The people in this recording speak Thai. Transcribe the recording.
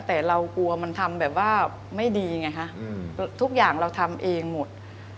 แต่เรากลัวมันทำแบบว่าไม่ดีไงคะทุกอย่างเราทำเองหมด